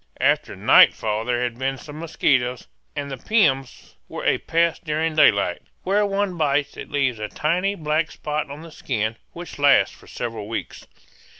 After nightfall there had been some mosquitoes, and the piums were a pest during daylight; where one bites it leaves a tiny black spot on the skin which lasts for several weeks.